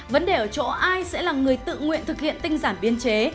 vấn đề ở chỗ ai sẽ là người tự nguyện thực hiện tinh giản biên chế